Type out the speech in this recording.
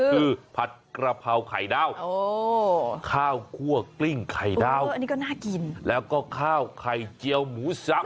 คือผัดกระเพราไข่ดาวข้าวคั่วกลิ้งไข่ดาวแล้วก็ข้าวไข่เจียวหมูสัก